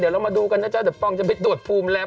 เดี๋ยวเรามาดูกันนะจ๊ะเดี๋ยวปองจะไปตรวจภูมิแล้ว